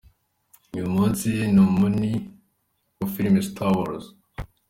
Uyu munsi ni umuni wa filime Star Wars.